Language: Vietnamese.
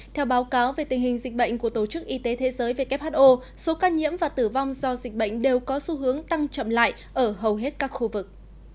theo báo cáo về tình hình dịch bệnh của tổ chức y tế thế giới who số ca nhiễm và tử vong do dịch bệnh đều có xu hướng tăng chậm lại ở hầu hết các khu vực